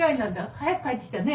早く帰ってきたね。